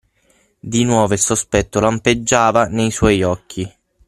Di nuovo il sospetto lampeggiava nel suoi occhi.